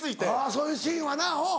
そういうシーンはなおぉ。